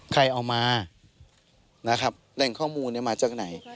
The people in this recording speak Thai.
ใครเอามานะครับแรงข้อมูลเนี่ยมาจากไหน